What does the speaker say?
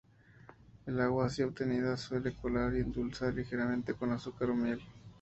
El agua así obtenida se suele colar y endulzar ligeramente con azúcar o miel.